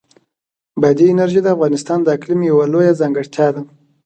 بادي انرژي د افغانستان د اقلیم یوه لویه ځانګړتیا ده.